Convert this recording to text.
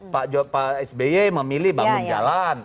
pak sby memilih bangun jalan